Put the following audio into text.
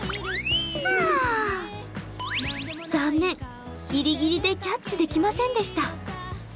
残念、ギリギリでキャッチできませんでした。